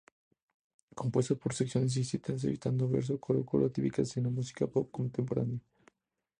Compuesto por secciones distintas, evitando verso-coro típicas en la música pop contemporánea.